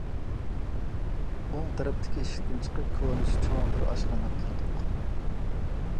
ئوڭ تەرەپتىكى ئىشىكتىن چىقىپ كونىچە چوڭ بىر ئاشخانىغا كىردۇق.